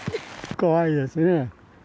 怖いですね。